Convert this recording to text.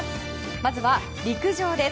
まずは陸上です。